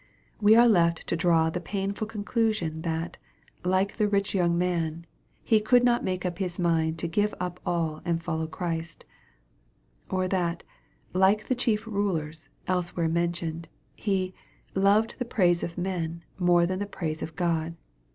We are left to draw the painful conclusion that, like the rich young man, he could not make up his mind to give up all and follow Christ ; or that, like the chief rulers, elsewhere mentioned, he " loved the praise of men more than the praise of God."